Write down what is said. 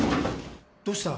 どうした？